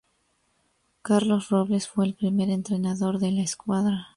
Carlos Robles fue el primer entrenador de la escuadra.